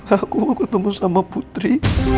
aku ketemu sama putri